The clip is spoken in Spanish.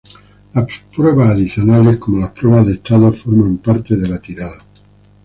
Las pruebas adicionales, como las pruebas de estado, forman parte de la tirada.